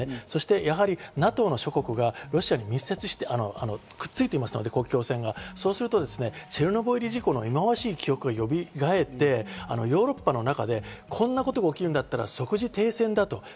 そしてやはりＮＡＴＯの諸国がロシアにくっついていますので、国境線が、そうするとチェルノブイリ事故の忌まわしい記憶がよみがえって、ヨーロッパの中でこんなことが起きるんだったら即時停戦だと。